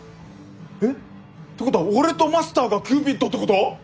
えってことは俺とマスターがキューピットってこと？